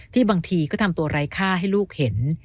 บางทีก็ทำตัวไร้ค่าให้ลูกเห็น